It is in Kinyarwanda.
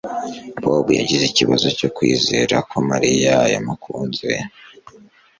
Bobo yagize ikibazo cyo kwizera ko Mariya yamukunze